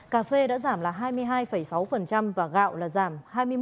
cà phê đã giảm là hai mươi hai sáu và gạo là giảm hai mươi một